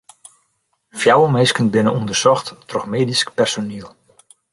Fjouwer minsken binne ûndersocht troch medysk personiel.